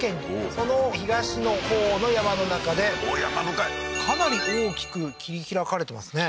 その東のほうの山の中でおっ山深いかなり大きく切り拓かれてますね